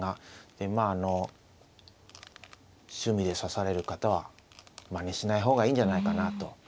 でまああの趣味で指される方はまねしない方がいいんじゃないかなと思います。